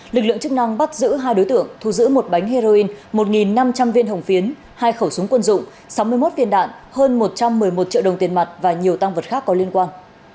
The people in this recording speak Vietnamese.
lực lượng chức năng bắt giữ hai đối tượng thu giữ một bánh heroin một năm trăm linh viên hồng phiến hai khẩu súng quân dụng sáu mươi một viên đạn hơn một trăm một mươi một triệu đồng tiền mặt và nhiều tăng vật khác có liên quan